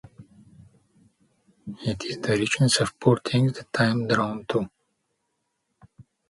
It is the richness of poor things that I am drawn to.